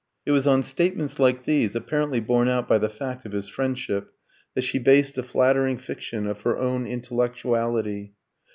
It was on statements like these, apparently borne out by the fact of his friendship, that she based the flattering fiction of her own intellectuality.